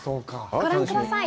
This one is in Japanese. ご覧ください。